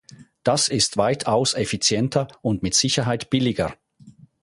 Das ist weitaus effizienter und mit Sicherheit billiger.